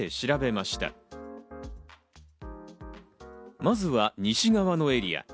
まずは西側のエリア。